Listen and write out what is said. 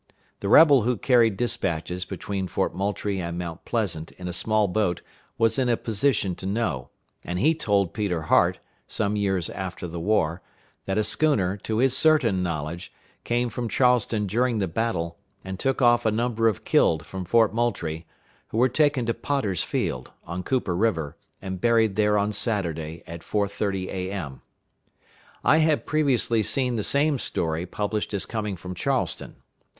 The rebel who carried dispatches between Fort Moultrie and Mount Pleasant in a small boat was in a position to know, and he told Peter Hart, some years after the war, that a schooner, to his certain knowledge, came from Charleston during the battle, and took off a number of killed from Fort Moultrie, who were taken to Potter's Field, on Cooper River, and buried there on Saturday, at 4.30 A.M. I had previously seen the same story published as coming from Charleston.